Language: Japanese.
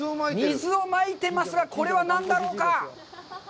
水をまいてますが、これは何だろうか。